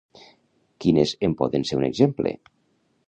Quines en poden ser un exemple?